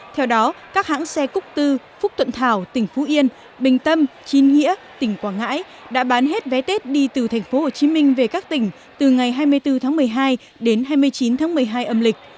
theo đó các hãng xe cúc tư phúc thuận thảo tỉnh phú yên bình tâm chín nghĩa tỉnh quảng ngãi đã bán hết vé tết đi từ tp hcm về các tỉnh từ ngày hai mươi bốn tháng một mươi hai đến hai mươi chín tháng một mươi hai âm lịch